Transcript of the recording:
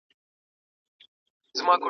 هغه د ټولنپوهنې د علم بنسټ کيښود.